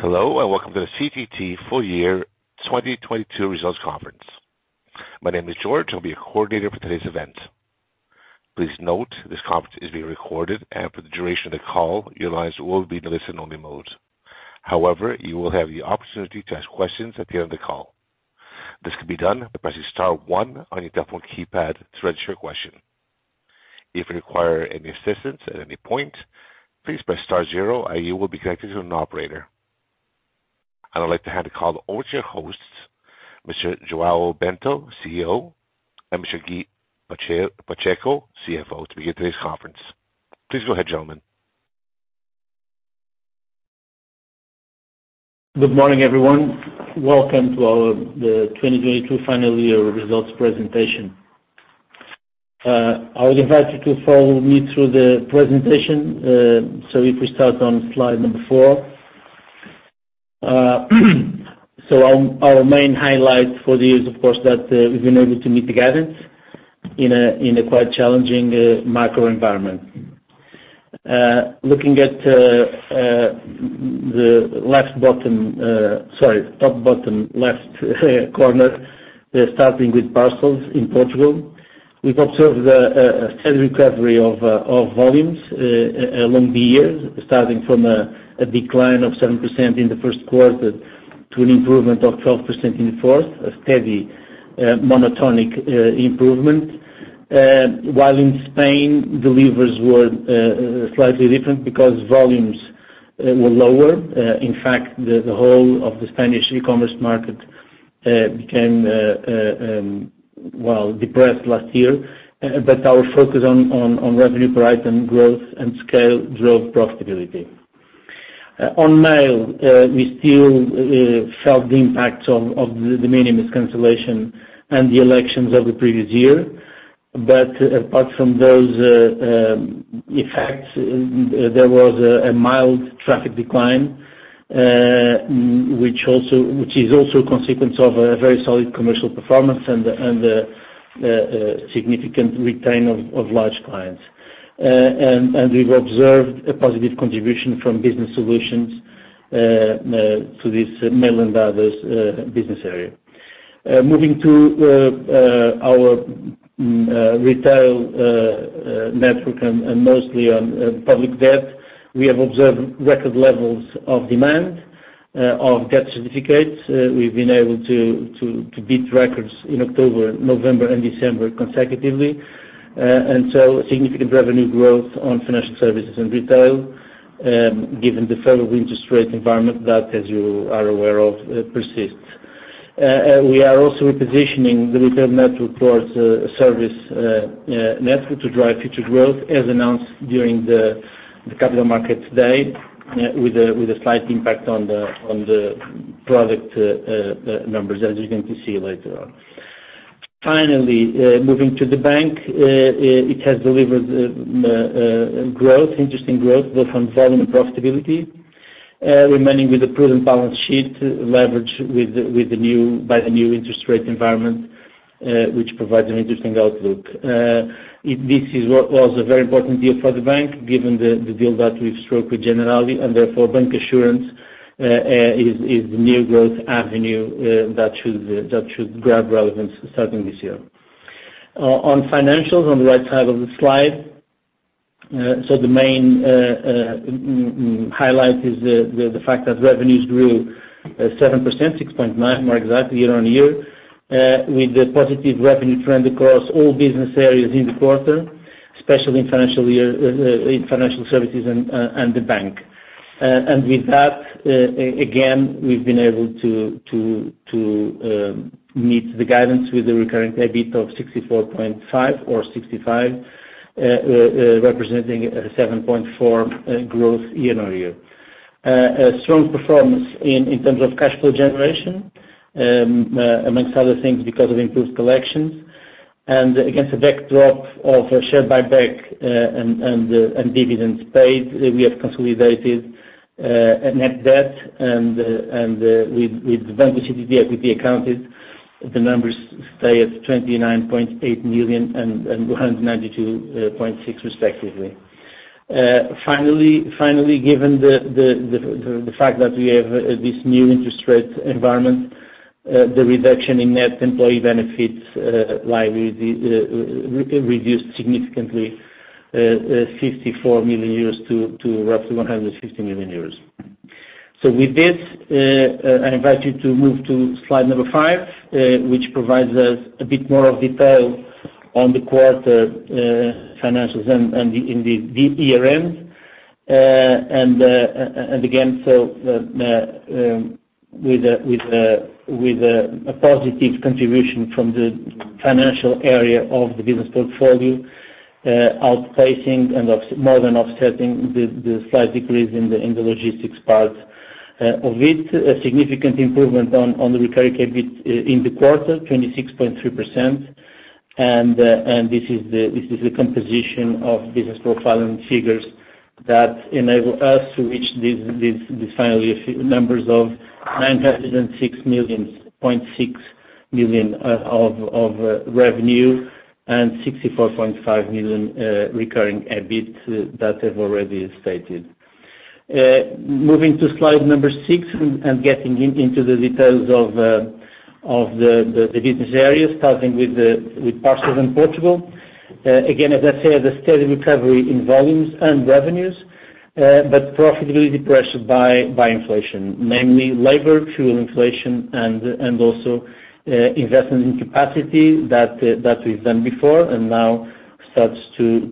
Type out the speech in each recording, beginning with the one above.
Hello, welcome to the CTT full year 2022 results conference. My name is George, I'll be your coordinator for today's event. Please note, this conference is being recorded, and for the duration of the call, your lines will be in listen only mode. However, you will have the opportunity to ask questions at the end of the call. This can be done by pressing star one on your telephone keypad to register your question. If you require any assistance at any point, please press star zero and you will be connected to an operator. I'd like to hand the call over to your hosts, Mr. João Bento, CEO, and Mr. Guy Pacheco, CFO, to begin today's conference. Please go ahead, gentlemen. Good morning, everyone. Welcome to the 2022 final year results presentation. I would invite you to follow me through the presentation. If we start on slide number four. Our main highlight for the year is, of course, that we've been able to meet the guidance in a quite challenging macro environment. Looking at the top bottom left corner, we're starting with parcels in Portugal. We've observed a steady recovery of volumes along the years, starting from a decline of 7% in the first quarter to an improvement of 12% in the fourth. A steady, monotonic improvement. While in Spain, delivers were slightly different because volumes were lower. In fact, the whole of the Spanish e-commerce market became well, depressed last year. Our focus on revenue per item growth and scale drove profitability. On mail, we still felt the impact of the maintenance cancellation and the elections of the previous year. Apart from those effects, there was a mild traffic decline, which is also a consequence of a very solid commercial performance and the significant retain of large clients. We've observed a positive contribution from business solutions to this Mail & Others business area. Moving to our retail network and mostly on public debt, we have observed record levels of demand of Savings Certificates. We've been able to beat records in October, November and December consecutively. Significant revenue growth on financial services and retail, given the federal interest rate environment that, as you are aware of, persists. We are also repositioning the retail network towards a service, network to drive future growth, as announced during the capital market today, with a slight impact on the product numbers, as you're going to see later on. Finally, moving to the bank, it has delivered, growth, interesting growth, both on volume and profitability, remaining with a prudent balance sheet leverage by the new interest rate environment, which provides an interesting outlook. This is what was a very important deal for the bank, given the deal that we've struck with Generali and therefore bancassurance is the new growth avenue that should grab relevance starting this year. On financials, on the right side of the slide. The main highlight is the fact that revenues grew 7%, 6.9 more exactly, year-on-year, with a positive revenue trend across all business areas in the quarter, especially in financial year in financial services and the bank. With that again, we've been able to meet the guidance with the recurring EBIT of 64.5 or 65, representing a 7.4 growth year-on-year. A strong performance in terms of cash flow generation, amongst other things, because of improved collections. Against the backdrop of a share buyback and dividends paid, we have consolidated a net debt and with bancassurance equity accounted, the numbers stay at 29.8 million and 192.6 million respectively. Given the fact that we have this new interest rate environment, the reduction in net employee benefits liability reduced significantly 54 million euros to roughly 150 million euros. With this, I invite you to move to slide number five, which provides us a bit more of detail on the quarter financials and in the ERMs. Again, so, with a positive contribution from the financial area of the business portfolio, outpacing and more than offsetting the slight decrease in the logistics part, of it, a significant improvement on the recurring EBIT in the quarter, 26.3%. This is the composition of business profile and figures that enable us to reach these finally a few numbers of 906.6 million of revenue and 64.5 million recurring EBIT that I've already stated. Moving to slide number six and getting into the details of the business area, starting with parcels in Portugal. Again, as I said, a steady recovery in volumes and revenues, but profitability pressured by inflation, namely labor, fuel inflation and also investment in capacity that we've done before and now starts to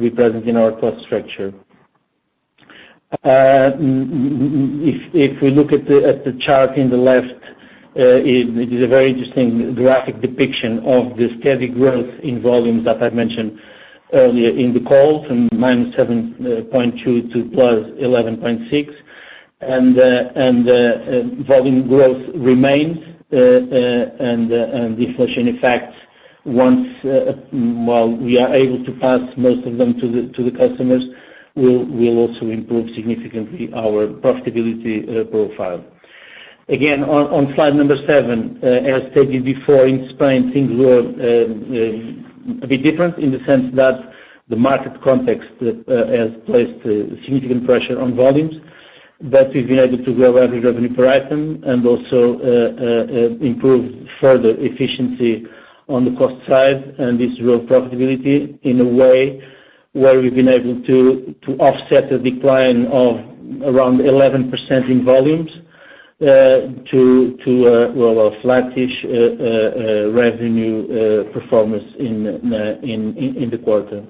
be present in our cost structure. If we look at the chart in the left, it is a very interesting graphic depiction of the steady growth in volumes that I've mentioned earlier in the call from -7.2% to +11.6%. Volume growth remains. Deflation effects once while we are able to pass most of them to the customers will also improve significantly our profitability profile. On slide number seven, as stated before, in Spain, things were a bit different in the sense that the market context has placed significant pressure on volumes. We've been able to grow average revenue per item and also improve further efficiency on the cost side. This drove profitability in a way where we've been able to offset a decline of around 11% in volumes to well, a flattish revenue performance in the quarter.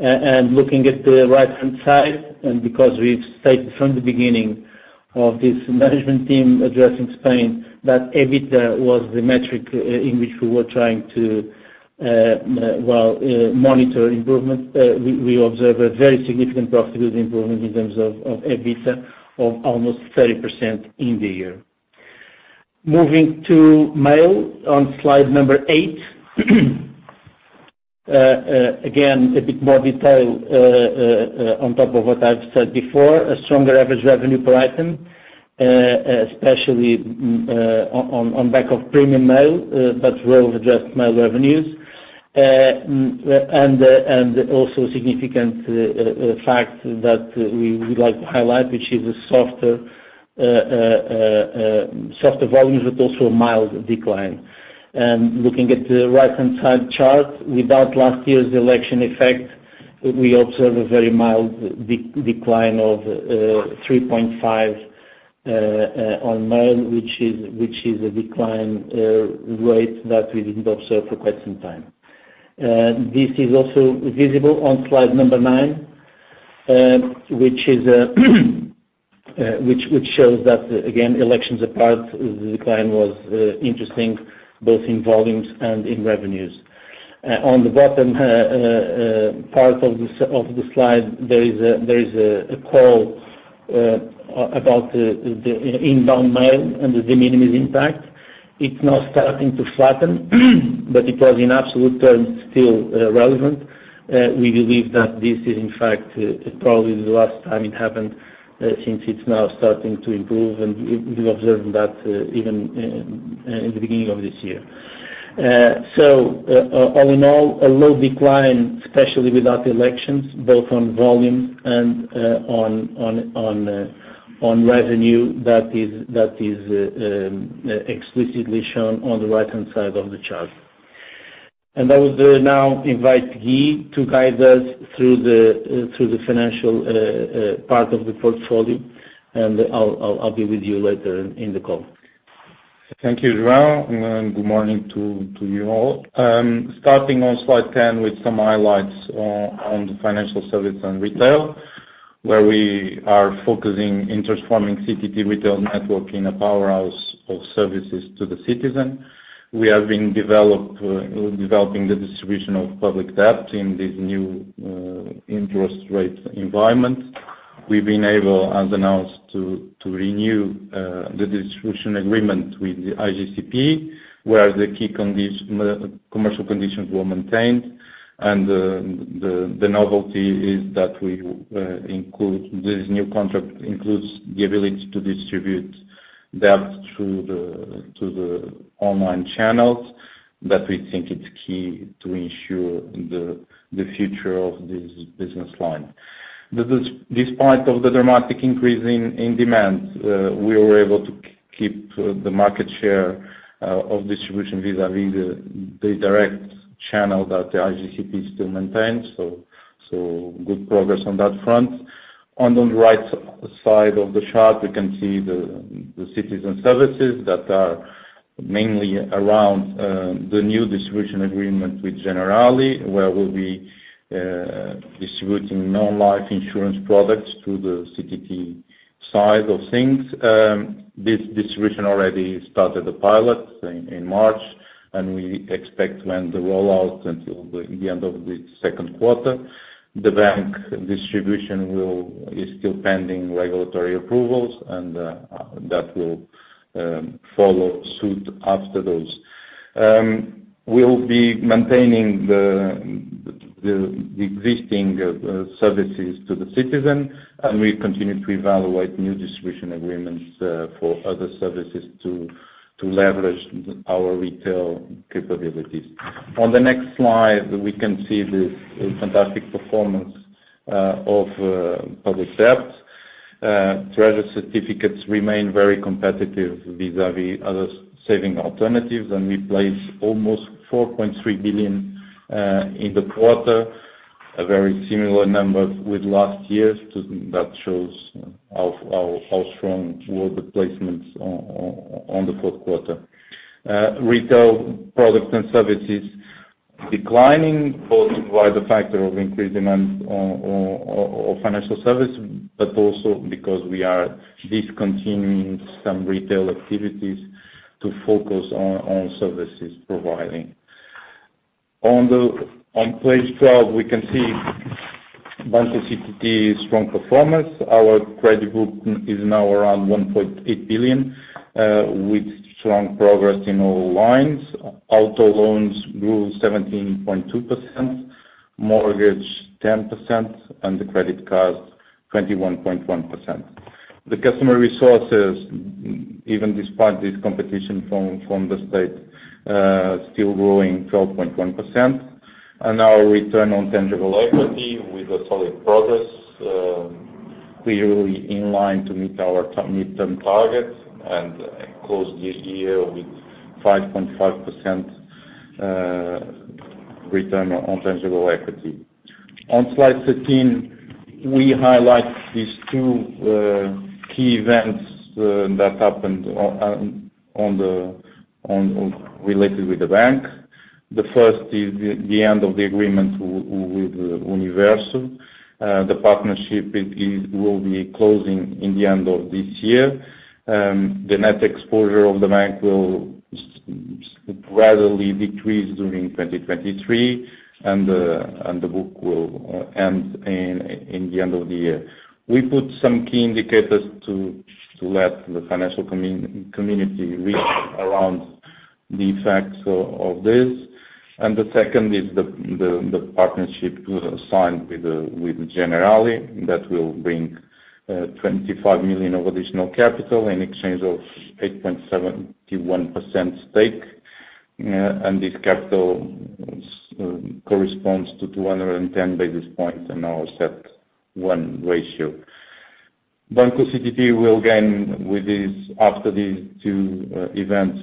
Looking at the right-hand side, because we've stated from the beginning of this management team addressing Spain that EBITDA was the metric, in which we were trying to well, monitor improvement, we observe a very significant profitability improvement in terms of EBITDA of almost 30% in the year. Moving to mail on slide number eight. Again, a bit more detail on top of what I've said before. A stronger average revenue per item, especially on back of premium mail, but well-adjusted mail revenues. Also significant fact that we would like to highlight, which is a softer volumes but also a mild decline. Looking at the right-hand side chart, without last year's election effect, we observe a very mild decline of 3.5 on mail, which is a decline rate that we didn't observe for quite some time. This is also visible on slide number nine, which shows that again, elections apart, the decline was interesting both in volumes and in revenues. On the bottom part of the slide, there is a call about the inbound mail and the de minimis impact. It's now starting to flatten, but it was in absolute terms, still relevant. We believe that this is in fact, probably the last time it happened, since it's now starting to improve. We've observed that, even in the beginning of this year. All in all, a low decline, especially without the elections, both on volumes and on revenue that is explicitly shown on the right-hand side of the chart. I will now invite Guy to guide us through the financial part of the portfolio. I'll be with you later in the call. Thank you, João, and good morning to you all. Starting on slide 10 with some highlights on the financial service and retail, where we are focusing in transforming CTT retail network in a powerhouse of services to the citizen. We have been developed developing the distribution of public debt in this new interest rate environment. We've been able, as announced, to renew the distribution agreement with the IGCP, where the key commercial conditions were maintained. The novelty is that we this new contract includes the ability to distribute debt through the online channels that we think it's key to ensure the future of this business line. Despite of the dramatic increase in demand, we were able to keep the market share of distribution vis-à-vis the direct channel that the IGCP still maintains. Good progress on that front. On the right side of the chart, we can see the citizen services that are mainly around the new distribution agreement with Generali, where we'll be distributing non-life insurance products to the CTT side of things. This distribution already started the pilot in March, we expect when the rollout until the end of the second quarter. The bank distribution is still pending regulatory approvals and that will follow suit after those. We'll be maintaining the existing services to the citizen, we continue to evaluate new distribution agreements for other services to leverage our retail capabilities. On the next slide, we can see the fantastic performance of public debt. Treasury Certificates remain very competitive vis-a-vis other saving alternatives. We place almost 4.3 billion in the quarter, a very similar number with last year's. That shows how strong were the placements on the fourth quarter. Retail products and services declining both by the factor of increased demand on financial service, also because we are discontinuing some retail activities to focus on services providing. On page 12, we can see Banco CTT's strong performance. Our credit book is now around 1.8 billion with strong progress in all lines. Auto loans grew 17.2%, mortgage 10%, and the credit cards 21.1%. The customer resources, even despite this competition from the state, still growing 12.1%. Our return on tangible equity with a solid progress, clearly in line to meet our mid-term targets and close this year with 5.5% return on tangible equity. On slide 13, we highlight these two key events that happened on, related with the bank. The first is the end of the agreement with Universo. The partnership will be closing in the end of this year. The net exposure of the bank will gradually decrease during 2023, and the book will end in the end of the year. We put some key indicators to let the financial community read around the effects of this. The second is the partnership signed with Generali that will bring 25 million of additional capital in exchange of 8.71% stake. This capital corresponds to 210 basis points in our CET1 ratio. Banco CTT will gain with this, after these two events,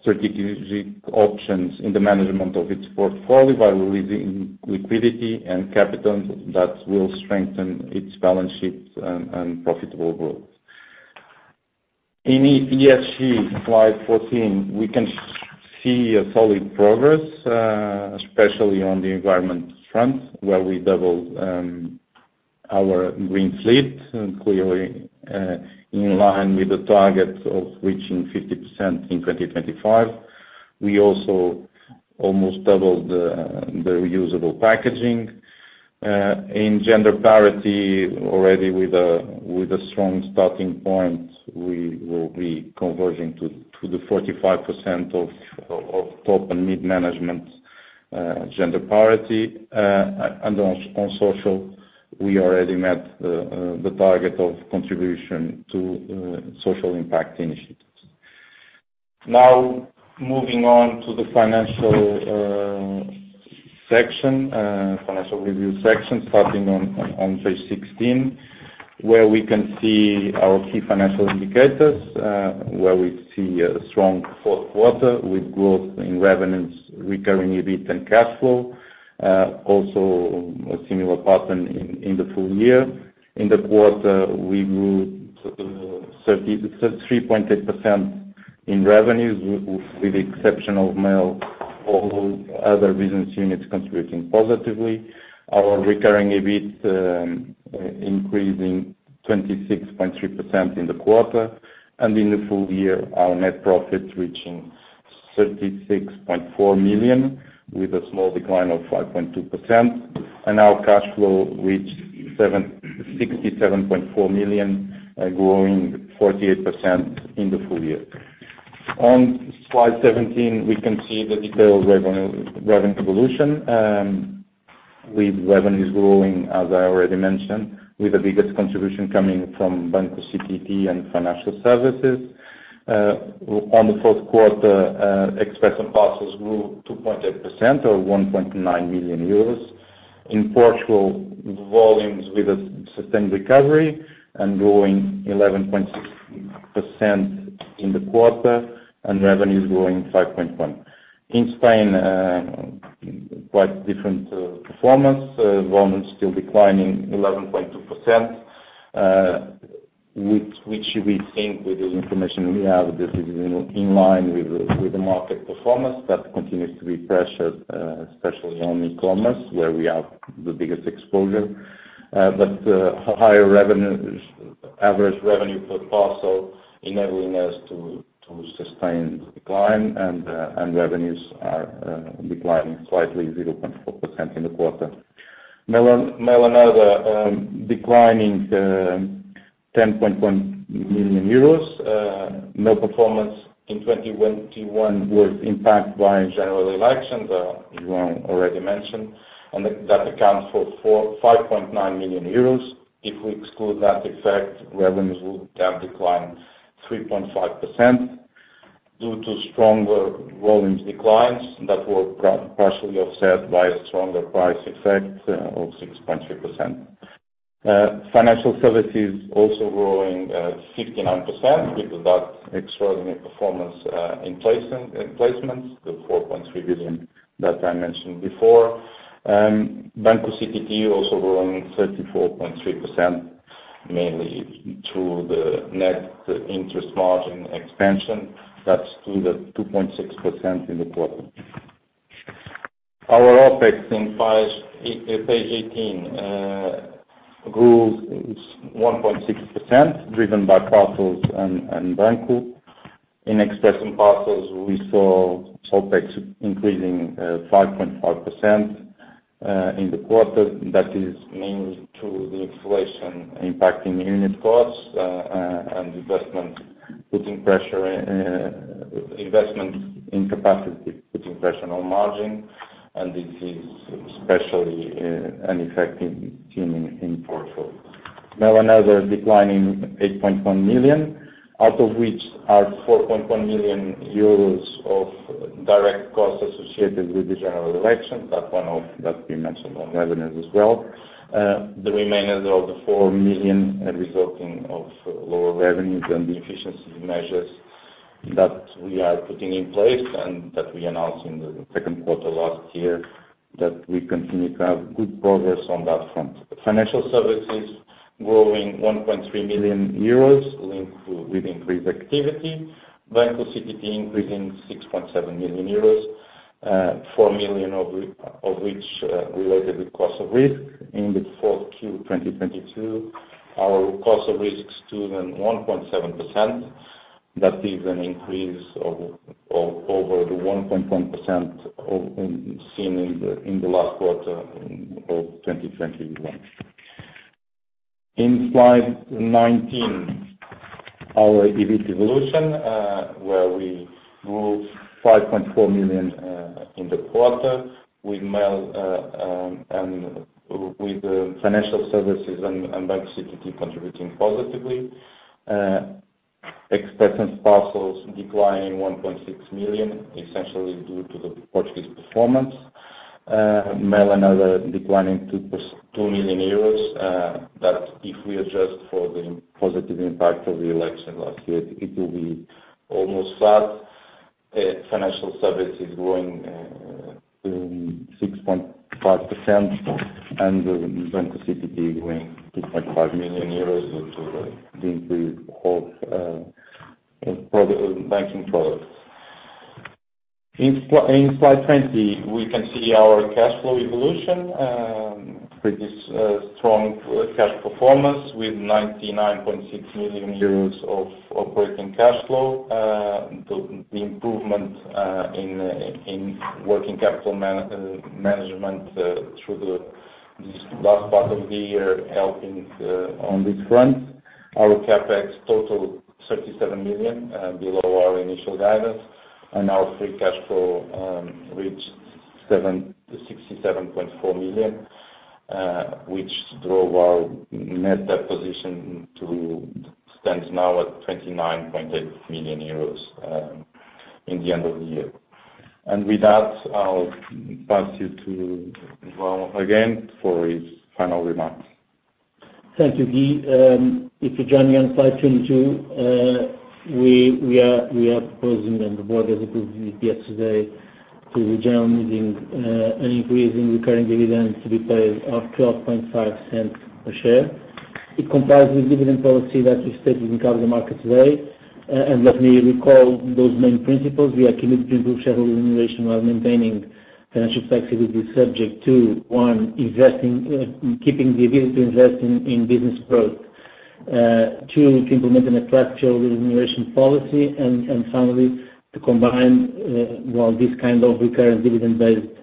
strategic options in the management of its portfolio by releasing liquidity and capital that will strengthen its balance sheets and profitable growth. In ESG, slide 14, we can see a solid progress, especially on the environment front, where we doubled our green fleet and clearly in line with the target of reaching 50% in 2025. We also almost doubled the reusable packaging. In gender parity already with a strong starting point, we will be converging to the 45% of top and mid-management gender parity. On social, we already met the target of contribution to social impact initiatives. Now moving on to the financial section, financial review section, starting on page 16, where we can see our key financial indicators, where we see a strong fourth quarter with growth in revenues, recurring EBIT and cash flow. Also a similar pattern in the full year. In the quarter, we grew 33.8% in revenues with the exception of Mail, all other business units contributing positively. Our recurring EBIT increasing 26.3% in the quarter, in the full year, our net profit reaching 36.4 million, with a small decline of 5.2%. Our cash flow reached 67.4 million, growing 48% in the full year. On slide 17, we can see the detailed revenue evolution, with revenues growing, as I already mentioned, with the biggest contribution coming from Banco CTT and financial services. On the fourth quarter, Express & Parcels grew 2.8% or 1.9 million euros. In Portugal, volumes with a sustained recovery and growing 11.6% in the quarter and revenues growing 5.1%. In Spain, quite different performance. Volumes still declining 11.2%, which we think with the information we have, this is, you know, in line with the market performance that continues to be pressured, especially on e-commerce, where we have the biggest exposure. Higher revenues, average revenue per parcel enabling us to sustain the decline and revenues are declining slightly 0.4% in the quarter. Mail & Others declining 10.1 million euros. No performance in 2021 was impacted by general elections, João already mentioned, and that accounts for 5.9 million euros. If we exclude that effect, revenues will have declined 3.5% due to stronger volumes declines that were partially offset by a stronger price effect of 6.3%. Financial services also growing 59% because that extraordinary performance in placements, the 4.3 billion that I mentioned before. Banco CTT also growing 34.3% mainly through the net interest margin expansion. That stood at 2.6% in the quarter. Our OpEx in page 18 grew 1.6% driven by parcels and Banco. In Express & Parcels, we saw OpEx increasing 5.5% in the quarter. That is mainly to the inflation impacting unit costs and investment putting pressure, investment in capacity, putting pressure on margin, it is especially an effect seen in Portugal. Mail and Other declining 8.1 million, out of which are 4.1 million euros of direct costs associated with the general election. That's that we mentioned on revenues as well. The remainder of the 4 million are resulting of lower revenues and the efficiency measures that we are putting in place and that we announced in the second quarter last year, that we continue to have good progress on that front. Financial services growing 1.3 million euros linked with increased activity. Banco CTT increasing 6.7 million euros, 4 million of which related with cost of risk in the fourth Q 2022. Our cost of risk stood at 1.7%. That is an increase over the 1.1% of seen in the last quarter of 2021. In slide 19, our EBIT evolution, where we grew 5.4 million in the quarter. We with the financial services and Banco CTT contributing positively. Express and Parcels declining 1.6 million, essentially due to the Portuguese performance. Mail & Others declining 2 million euros, that if we adjust for the positive impact of the election last year, it will be almost flat. Financial services growing 6.5% and Banco CTT growing EUR 2.5 million due to the increase of banking products. In slide 20, we can see our cash flow evolution, produce strong cash performance with 99.6 million euros of operating cash flow. The improvement in working capital management through this last part of the year helping on this front. Our CapEx total 37 million, below our initial guidance and our free cash flow reached 67.4 million, which drove our net debt position to stand now at 29.8 million euros in the end of the year. With that, I'll pass you to João again for his final remarks. Thank you, Guy. If you join me on slide 22, we are proposing and the board has approved it yesterday to the general meeting, an increase in recurring dividends to be paid of 0.125 per share. It complies with dividend policy that we stated in capital markets today. Let me recall those main principles. We are committed to improve shareholder remuneration while maintaining financial flexibility subject to, one, investing, keeping the ability to invest in business growth. Two, to implement an attractive remuneration policy and finally, to combine, well, this kind of recurring dividend-based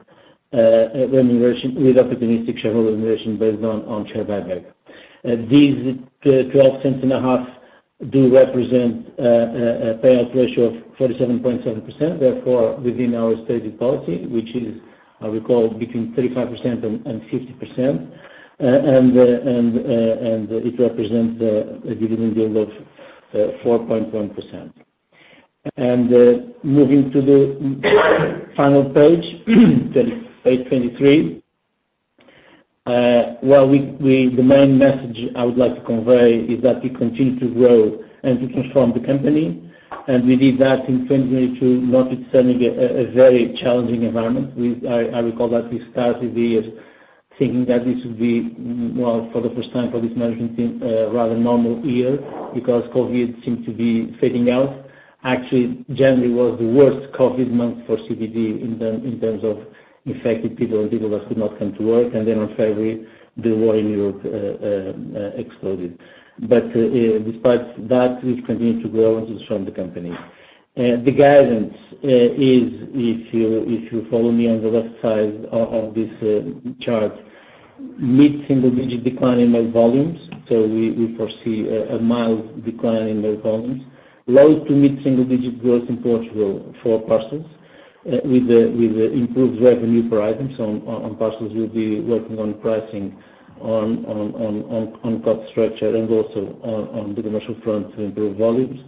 remuneration with opportunistic shareholder remuneration based on share buyback. These 0.125 do represent a payout ratio of 47.7%, therefore within our stated policy, which is, I recall, between 35% and 50%. It represents a dividend yield of 4.1%. Moving to the final page 23. Well, the main message I would like to convey is that we continue to grow and to transform the company. We did that in 2022, notwithstanding a very challenging environment. I recall that we started the year thinking that this would be, well, for the first time for this management team, a rather normal year because COVID seemed to be fading out. Actually, January was the worst COVID month for CTT in terms of infected people and people that could not come to work. On February, the war in Europe exploded. Despite that, we've continued to grow and to transform the company. The guidance is if you follow me on the left side of this chart, mid-single digit decline in mail volumes. We foresee a mild decline in mail volumes. Low to mid-single digit growth in Portugal for parcels, with the improved revenue per items on parcels. We'll be working on pricing on cost structure and also on the commercial front to improve volumes.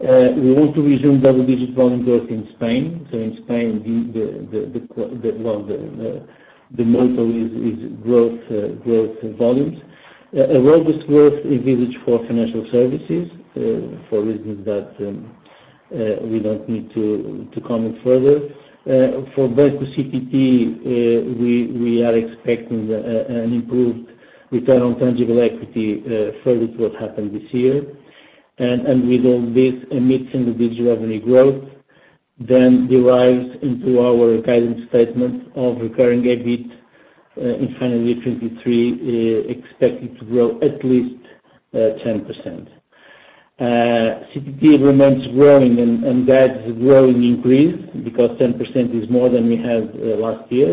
We want to resume double-digit volume growth in Spain. In Spain, the motto is growth in volumes. A robust growth envisaged for financial services, for reasons that we don't need to comment further. For Banco CTT, we are expecting an improved return on tangible equity, further to what happened this year. With all this, a mid-single-digit revenue growth then derives into our guidance statement of recurring EBIT in financial year 2023, expected to grow at least 10%. CTT remains growing and that is a growing increase because 10% is more than we had last year.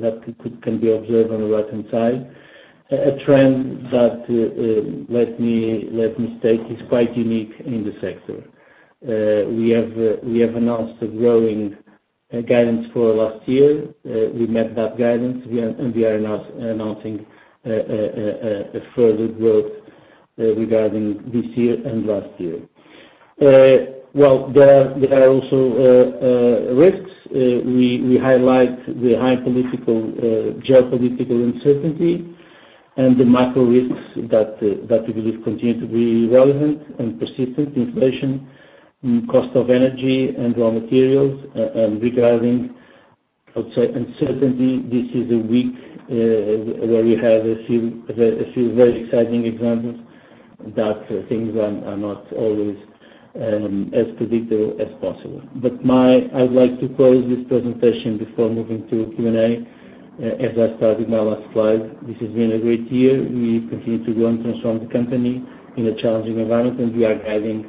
That can be observed on the right-hand side. A trend that let me state is quite unique in the sector. We have announced a growing guidance for last year. We met that guidance. We are now announcing a further growth regarding this year and last year. There are also risks. We highlight the high political, geopolitical uncertainty and the macro risks that we believe continue to be relevant and persistent: inflation, cost of energy and raw materials. Regarding outside uncertainty, this is a week where we have a few very exciting examples that things are not always as predictable as possible. I would like to close this presentation before moving to Q&A. As I started my last slide, this has been a great year. We continue to grow and transform the company in a challenging environment. We are guiding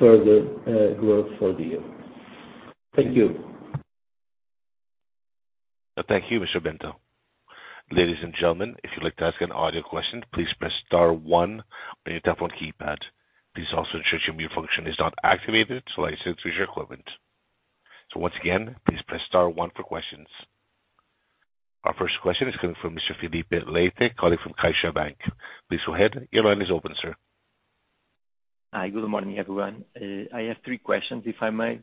further growth for the year. Thank you. Thank you, Mr. Bento. Ladies and gentlemen, if you'd like to ask an audio question, please press star one on your telephone keypad. Please also ensure your mute function is not activated so I can hear through your equipment. Once again, please press star one for questions. Our first question is coming from Mr. Filipe Leite, colleague from CaixaBank. Please go ahead. Your line is open, sir. Hi, good morning, everyone. I have three questions, if I may.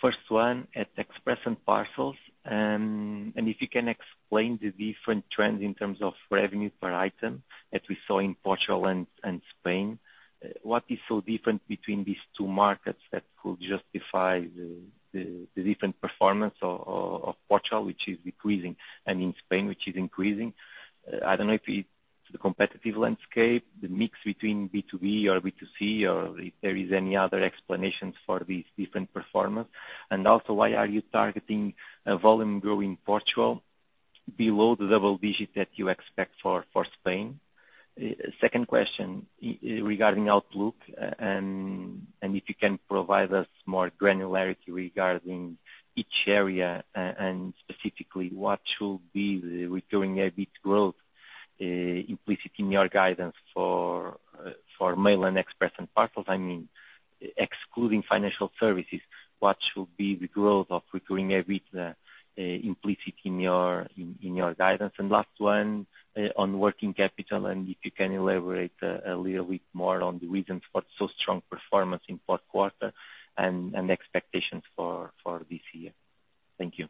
First one, at Express & Parcels, if you can explain the different trends in terms of revenue per item that we saw in Portugal and Spain. What is so different between these two markets that could justify the different performance of Portugal, which is decreasing, and in Spain, which is increasing? I don't know if it's the competitive landscape, the mix between B2B or B2C, or if there is any other explanations for this different performance. Also, why are you targeting a volume growth in Portugal below the double digits that you expect for Spain? Second question, regarding outlook and if you can provide us more granularity regarding each area and specifically what should be the recurring EBIT growth implicit in your guidance for Mail and Express & Parcels. I mean, excluding financial services, what should be the growth of recurring EBIT implicit in your guidance? Last one, on working capital, if you can elaborate a little bit more on the reasons for so strong performance in fourth quarter and expectations for this year. Thank you.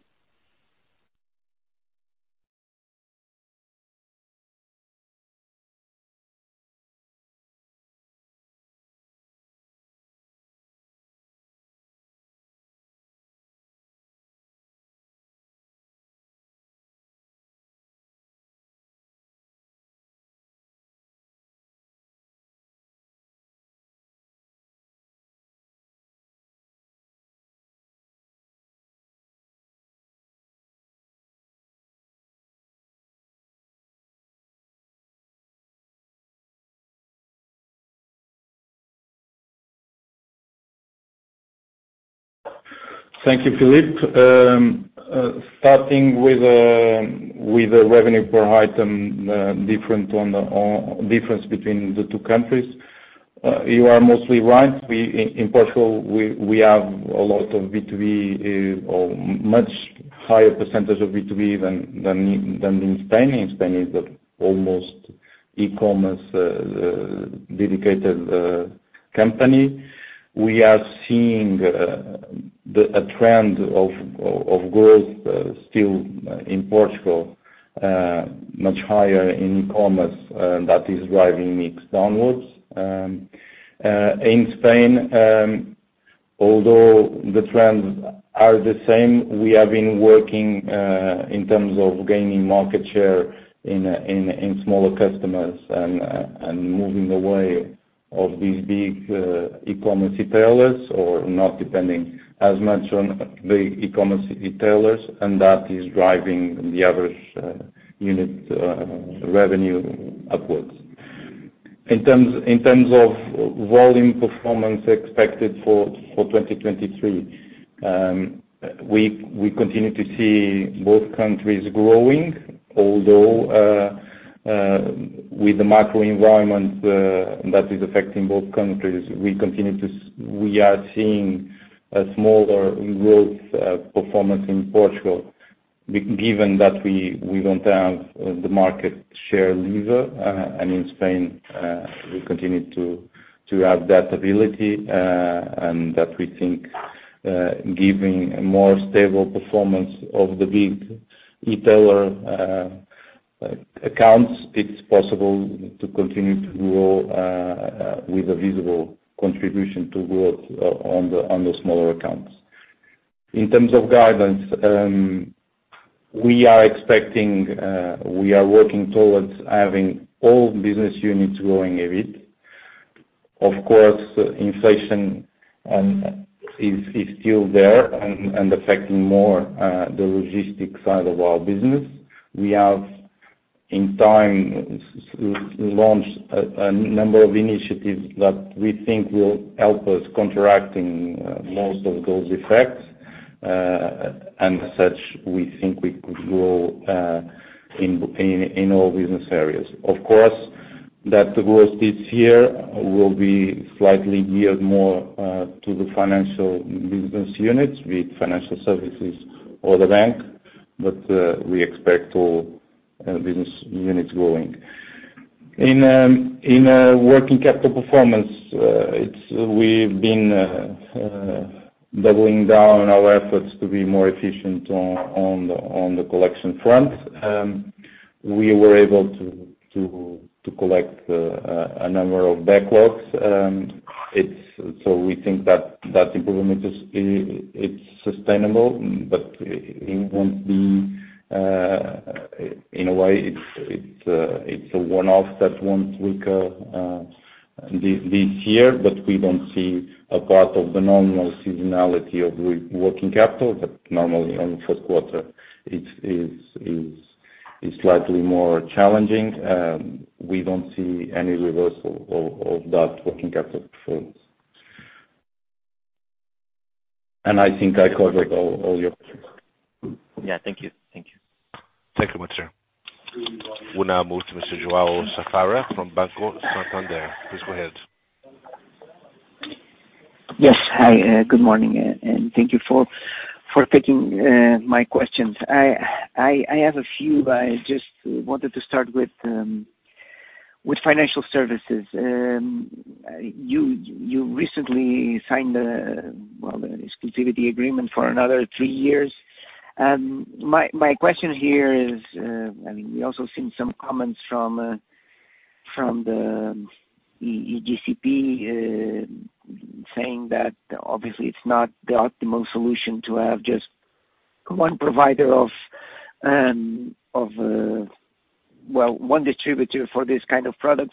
Thank you, Filipe. Starting with the revenue per item, difference between the two countries. You are mostly right. In Portugal, we have a lot of B2B, or much higher percentage of B2B than in Spain. In Spain is almost e-commerce dedicated company. We are seeing a trend of growth still in Portugal, much higher in e-commerce, that is driving mix downwards. In Spain, although the trends are the same, we have been working in terms of gaining market share in smaller customers and moving away of these big e-commerce retailers or not depending as much on the e-commerce retailers, and that is driving the average unit revenue upwards. In terms of volume performance expected for 2023, we continue to see both countries growing although with the macro environment that is affecting both countries, we are seeing a smaller growth performance in Portugal. Given that we don't have the market share lever, and in Spain, we continue to have that ability, and that we think, giving a more stable performance of the big retailer accounts, it's possible to continue to grow with a visible contribution to growth on the smaller accounts. In terms of guidance, we are expecting, we are working towards having all business units growing a bit. Of course, inflation is still there and affecting more the logistics side of our business. We have, in time, launched a number of initiatives that we think will help us contracting most of those effects. As such, we think we could grow in all business areas. Of course, that growth this year will be slightly geared more to the financial business units, be it financial services or the bank. We expect all business units growing. In working capital performance, we've been doubling down our efforts to be more efficient on the collection front. We were able to collect a number of backlogs. We think that that improvement is, it's sustainable, but it won't be... in a way it's a one-off that won't recur this year. We don't see a part of the normal seasonality of working capital, but normally on first quarter, it is slightly more challenging. We don't see any reversal of that working capital performance. I think I covered all your questions. Yeah. Thank you. Thank you. Thank you, Matteo. We now move to Mr. João Safara from Banco Santander. Please go ahead. Yes. Hi, good morning, and thank you for taking my questions. I have a few, but I just wanted to start with financial services. You recently signed a, well, an exclusivity agreement for another three years. My question here is, I mean, we also seen some comments from ANACOM saying that obviously it's not the optimal solution to have just one provider of, well, one distributor for this kind of product.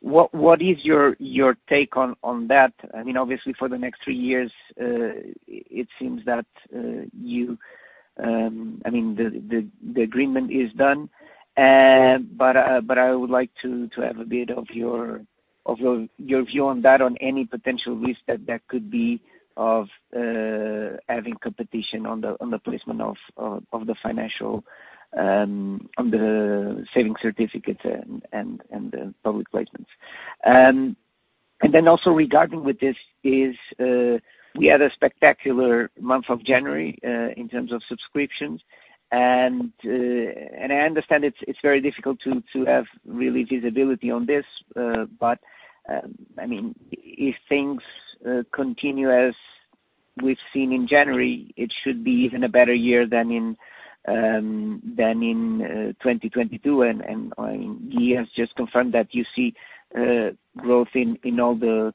What is your take on that? I mean, obviously for the next three years, it seems that you, I mean, the agreement is done. I would like to have a bit of your view on that, on any potential risk that could be of having competition on the placement of the financial, on the Savings Certificates and public placements. Also regarding with this is, we had a spectacular month of January in terms of subscriptions. I understand it's very difficult to have really visibility on this. I mean, if things continue as we've seen in January, it should be even a better year than in 2022. I mean, Guy has just confirmed that you see growth in all the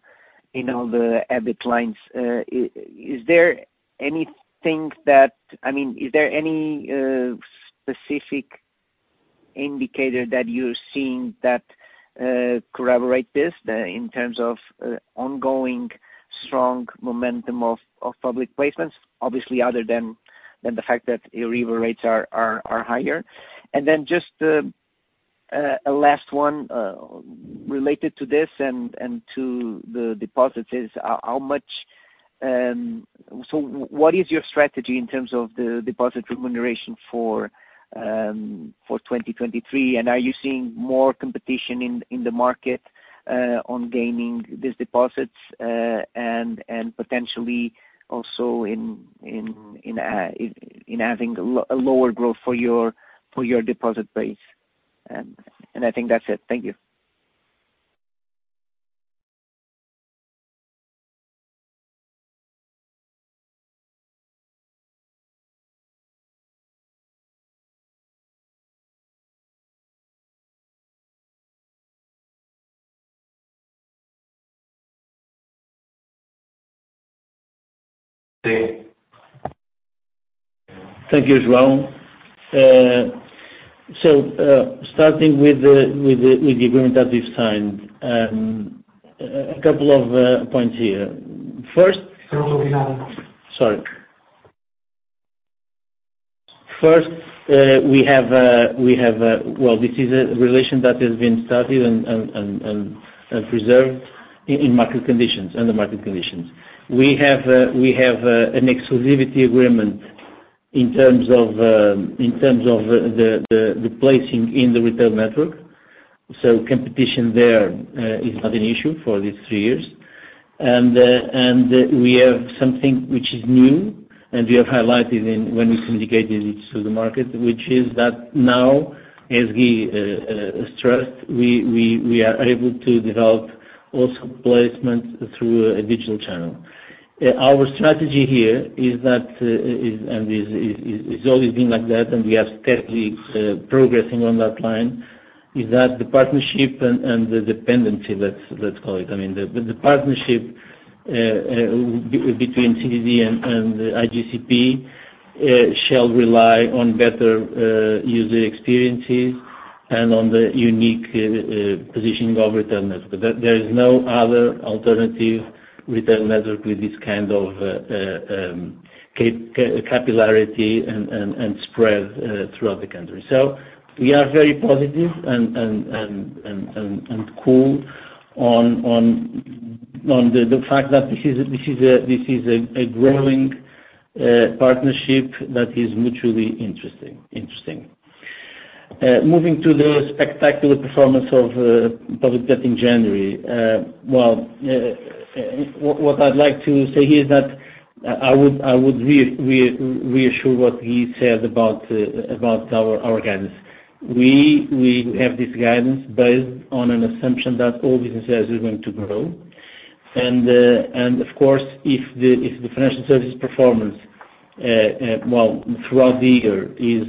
EBIT lines. Is there anything that... I mean, is there any specific indicator that you're seeing that corroborate this in terms of ongoing strong momentum of public placements, obviously other than the fact that Euribor rates are higher? Just a last one related to this and to the deposits is how much. What is your strategy in terms of the deposit remuneration for 2023? Are you seeing more competition in the market on gaining these deposits and potentially also in having a lower growth for your deposit base? I think that's it. Thank you. Thank you, João. Starting with the agreement that we've signed. A couple of points here. Sorry. First, well, this is a relation that has been studied and preserved in market conditions, under market conditions. We have an exclusivity agreement in terms of the placing in the retail network. Competition there is not an issue for these three years. We have something which is new, and we have highlighted in when we communicated it to the market, which is that now as we stressed, we are able to develop also placements through a digital channel. Our strategy here is that and is always been like that, and we are steadily progressing on that line, is that the partnership and the dependency, let's call it, I mean, the partnership between CTT and IGCP shall rely on better user experiences and on the unique positioning of return network. There is no other alternative return network with this kind of capillarity and spread throughout the country. We are very positive and cool on the fact that this is a growing partnership that is mutually interesting. Moving to the spectacular performance of public debt in January. Well, what I'd like to say here is that I would reassure what he said about our guidance. We have this guidance based on an assumption that all businesses are going to grow. Of course, if the financial services performance, well, throughout the year is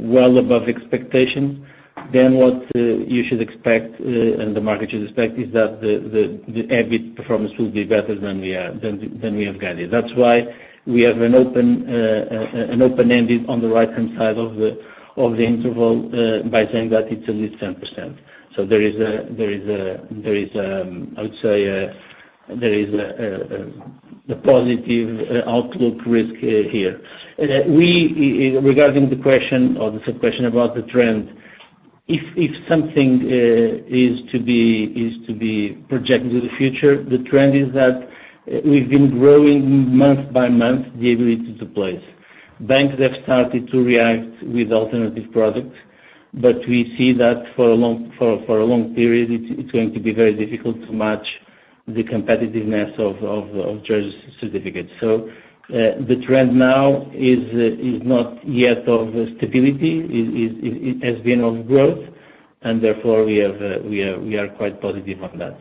well above expectation, then what you should expect, and the market should expect, is that the EBIT performance will be better than we have guided. That's why we have an open-ended on the right-hand side of the interval, by saying that it's at least 10%. There is a, I would say, there is the positive outlook risk here. Regarding the question or the sub-question about the trend, if something is to be projected to the future, the trend is that we've been growing month by month the ability to place. Banks have started to react with alternative products, but we see that for a long period, it's going to be very difficult to match the competitiveness of Treasury Certificates. The trend now is not yet of stability. It has been of growth, and therefore, we have, we are quite positive on that.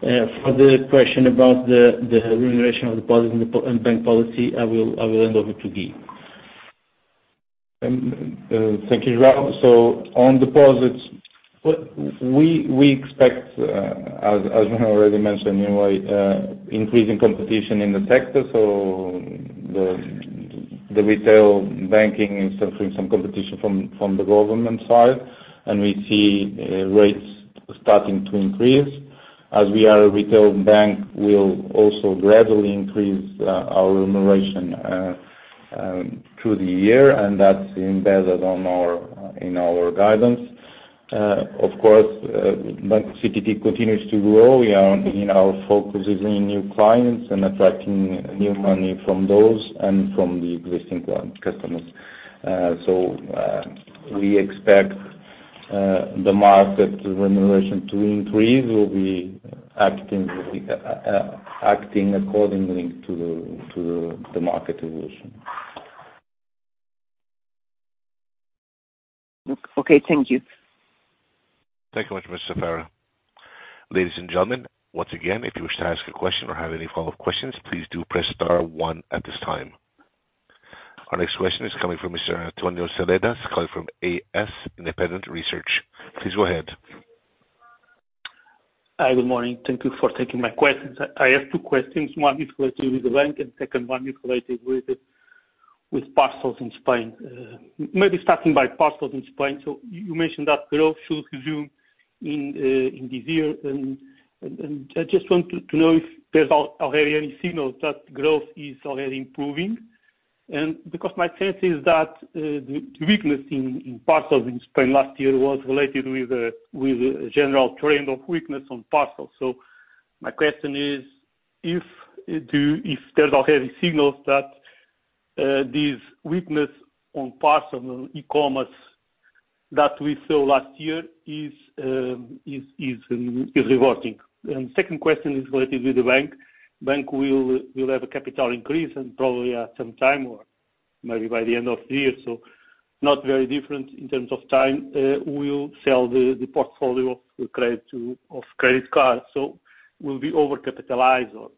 For the question about the remuneration of deposits and bank policy, I will hand over to Guy. Thank you, João. On deposits, we expect as you have already mentioned, you know, increasing competition in the sector. The retail banking is suffering some competition from the government side, and we see rates starting to increase. As we are a retail bank, we'll also gradually increase our remuneration through the year, and that's embedded on our, in our guidance. Of course, Banco CTT continues to grow. We are, you know, focusing new clients and attracting new money from those and from the existing customers. We expect the market remuneration to increase. We'll be acting accordingly to the market evolution. Okay. Thank you. Thank you very much, Mr. Safara. Ladies and gentlemen, once again, if you wish to ask a question or have any follow-up questions, please do press star one at this time. Our next question is coming from Mr. António Seladas, calling from AS Independent Research. Please go ahead. Hi, good morning. Thank you for taking my questions. I have two questions. One is related with the bank, second one is related with parcels in Spain. Maybe starting by parcels in Spain. You mentioned that growth should resume in this year. I just want to know if there's already any signal that growth is already improving. Because my sense is that the weakness in parcels in Spain last year was related with a general trend of weakness on parcels. My question is, if there's already signals that this weakness on parcel, on e-commerce that we saw last year is reverting. Second question is related with the bank. Bank will have a capital increase and probably at some time or maybe by the end of the year, not very different in terms of time. We'll sell the portfolio of credit cards. We'll be over-capitalized or,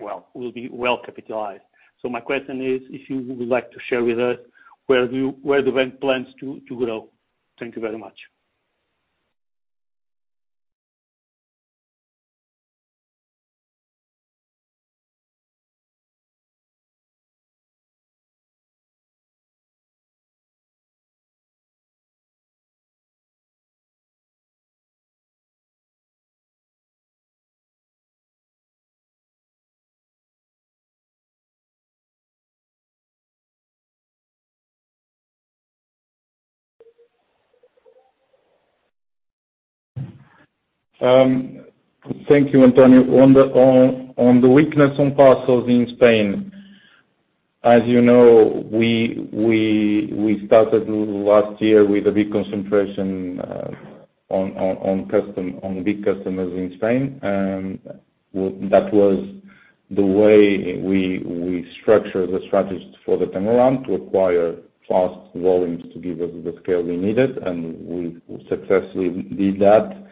well, we'll be well capitalized. My question is, if you would like to share with us where the bank plans to grow. Thank you very much. Thank you, António Seladas. On the weakness on parcels in Spain, as you know, we started last year with a big concentration on big customers in Spain, and that was the way we structured the strategies for the time around to acquire fast volumes to give us the scale we needed, and we successfully did that.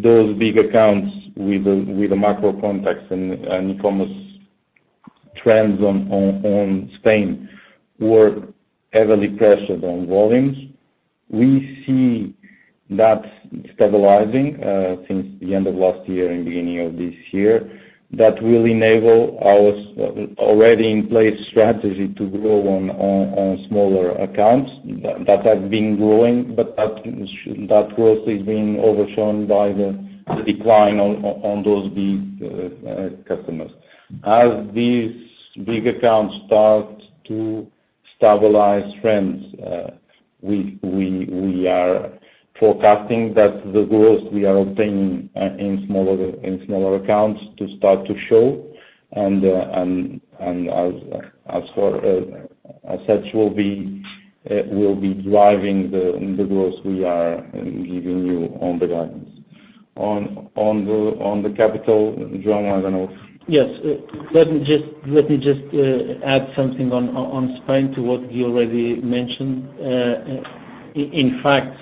Those big accounts with the macro context and e-commerce trends on Spain were heavily pressured on volumes. We see that stabilizing since the end of last year and beginning of this year. That will enable our already in place strategy to grow on smaller accounts that have been growing, but that growth is being overshown by the decline on those big customers. As these big accounts start to stabilize trends, we are forecasting that the growth we are obtaining in smaller accounts to start to show. As for, as such will be driving the growth we are giving you on the guidance. On the capital, João might want to. Yes. Let me just add something on Spain to what Guy already mentioned. In fact,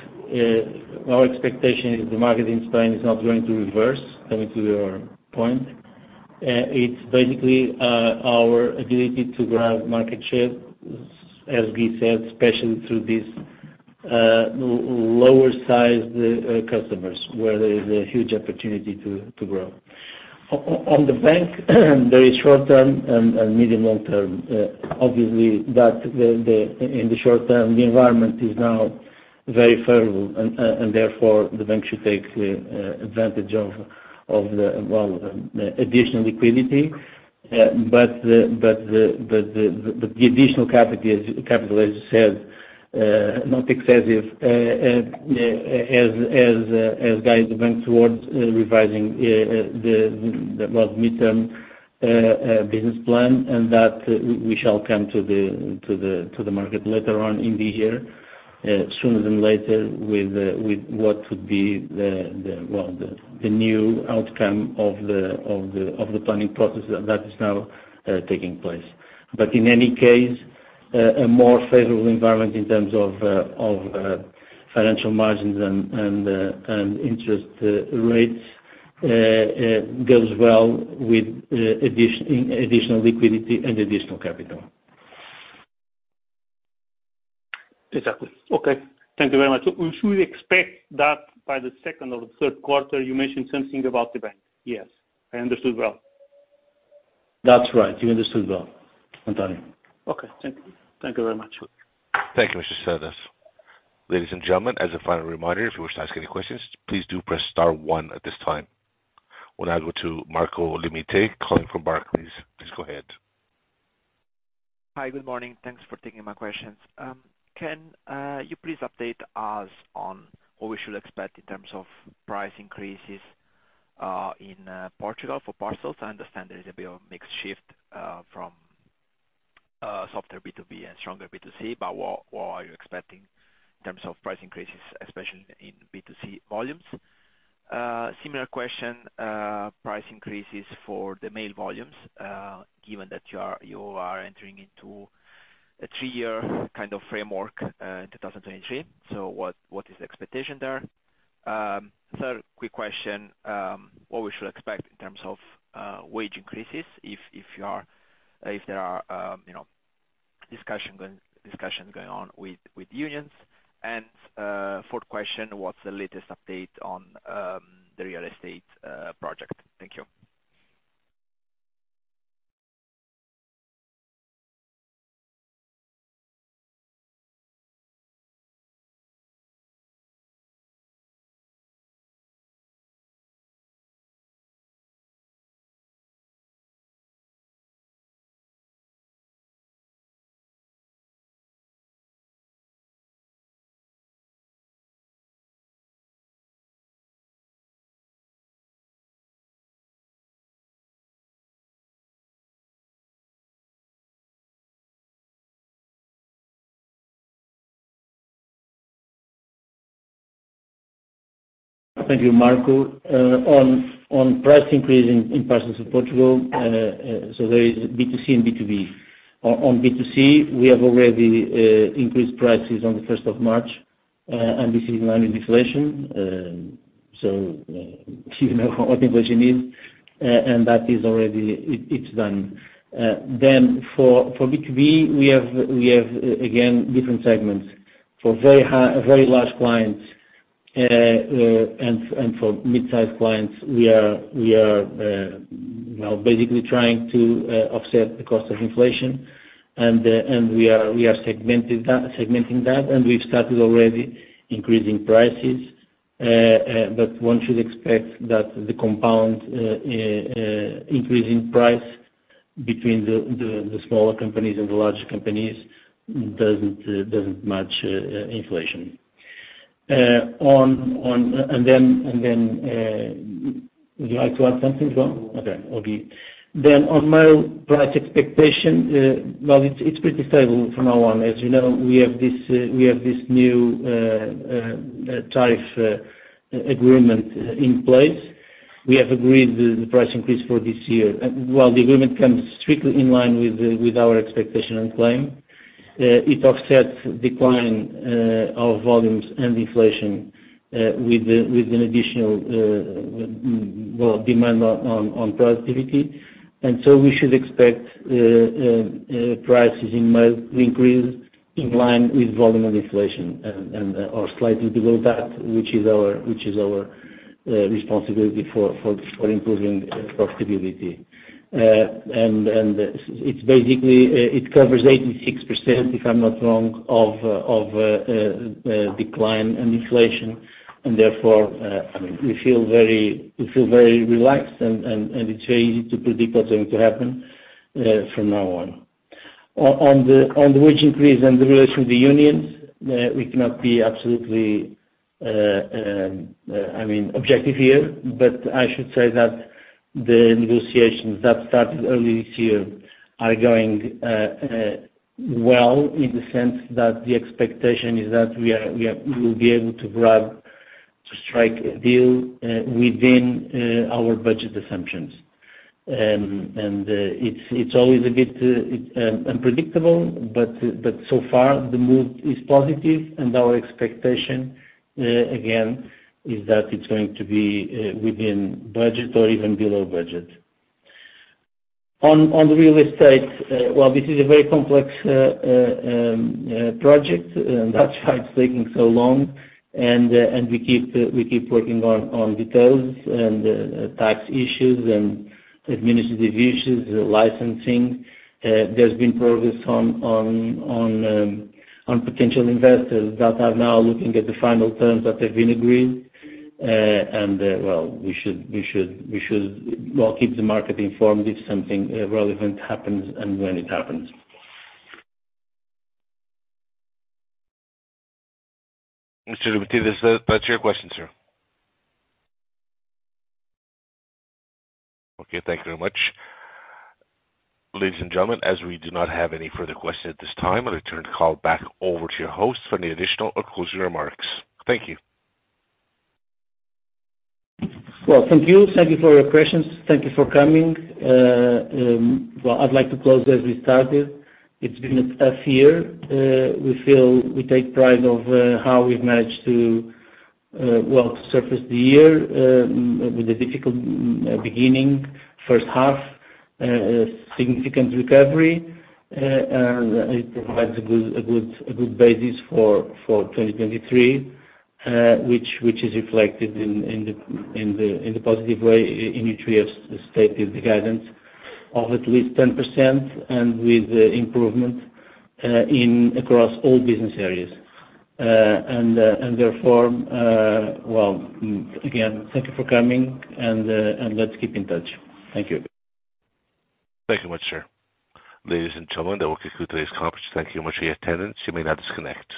our expectation is the market in Spain is not going to reverse, coming to your point. It's basically, our ability to grab market share, as Guy said, especially through these, lower sized, customers where there is a huge opportunity to grow. On the bank, very short-term and medium long-term, obviously that in the short-term, the environment is now very favorable and therefore, the bank should take advantage of the, well, the additional liquidity. The additional capital, as you said, not excessive, as guides the bank towards revising the well, midterm business plan and that we shall come to the market later on in the year, sooner than later with what would be the well, the new outcome of the planning process that is now taking place. In any case, a more favorable environment in terms of financial margins and interest rates goes well with additional liquidity and additional capital. Exactly. Okay. Thank you very much. Should we expect that by the second or the third quarter you mentioned something about the bank? Yes. I understood well. That's right. You understood well, António. Okay. Thank you. Thank you very much. Thank you, Mr. Seladas. Ladies and gentlemen, as a final reminder, if you wish to ask any questions, please do press star one at this time. We'll now go to Marco Limite calling from Barclays. Please go ahead. Hi, good morning. Thanks for taking my questions. Can you please update us on what we should expect in terms of price increases in Portugal for parcels? I understand there is a bit of a mixed shift from softer B2B and stronger B2C, but what are you expecting in terms of price increases, especially in B2C volumes? Similar question, price increases for the mail volumes, given that you are entering into a three-year kind of framework in 2023. What is the expectation there? Third quick question, what we should expect in terms of wage increases if there are, you know, discussions going on with unions? Fourth question, what's the latest update on the real estate project? Thank you. Thank you, Marco. On price increase in parcels in Portugal, there is B2C and B2B. On B2C, we have already increased prices on the first of March, this is in line with inflation. You know what inflation is, that is already, it's done. For B2B, we have again different segments. For very high, very large clients, and for mid-sized clients, we are, you know, basically trying to offset the cost of inflation. We are segmenting that, we've started already increasing prices. One should expect that the compound increase in price between the smaller companies and the larger companies doesn't match inflation. Would you like to add something, João? Okay, I'll be. On my price expectation, well, it's pretty stable from now on. As you know, we have this new tariff agreement in place. We have agreed the price increase for this year. While the agreement comes strictly in line with our expectation and claim, it offsets decline of volumes and inflation with an additional, well, demand on productivity. We should expect prices in mild increase in line with volume of inflation or slightly below that, which is our responsibility for improving profitability. It's basically, it covers 86%, if I'm not wrong, of decline and inflation, and therefore, I mean, we feel very relaxed and it's very easy to predict what's going to happen, from now on. On the wage increase and the relation with the unions, we cannot be absolutely, I mean, objective here, but I should say that the negotiations that started early this year are going well in the sense that the expectation is that we will be able to strike a deal within our budget assumptions. It's always a bit unpredictable, but so far the move is positive and our expectation, again, is that it's going to be within budget or even below budget. On the real estate, well, this is a very complex project, and that's why it's taking so long and we keep working on details and tax issues and administrative issues, licensing. There's been progress on potential investors that are now looking at the final terms that have been agreed. Well, we should, well, keep the market informed if something relevant happens and when it happens. Mr. Limite, is that your question, sir? Okay, thank you very much. Ladies and gentlemen, as we do not have any further questions at this time, I'll return the call back over to your host for any additional or closing remarks. Thank you. Well, thank you. Thank you for your questions. Thank you for coming. Well, I'd like to close as we started. It's been a tough year. We take pride of how we've managed to well, surface the year with a difficult beginning, first half, a significant recovery. It provides a good basis for 2023, which is reflected in the positive way in which we have stated the guidance of at least 10% and with improvement across all business areas. Therefore, well, again, thank you for coming and let's keep in touch. Thank you. Thank you much, sir. Ladies and gentlemen, that will conclude today's conference. Thank you much for your attendance. You may now disconnect.